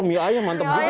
oh mie ayam mantep juga ya